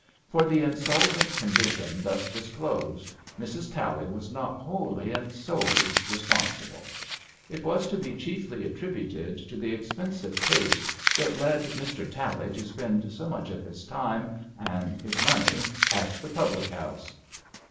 For the insolvent condition thus disclosed, Mrs. Tally was not wholly and solely responsible. It was to be chiefly attributed to the expensive taste that led Mr. Tally to spend so much of his time and his money at the public house.